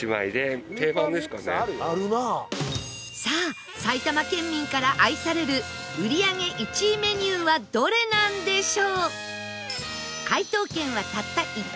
さあ埼玉県民から愛される売り上げ１位メニューはどれなんでしょう？